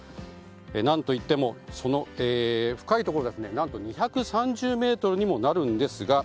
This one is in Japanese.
何といっても深いところでは２３０ｍにもなります。